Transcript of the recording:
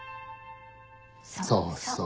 そうそう。